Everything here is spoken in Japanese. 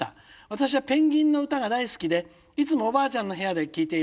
私はペンギンの歌が大好きでいつもおばあちゃんの部屋で聴いています」。